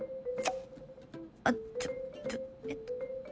あっちょっえっと。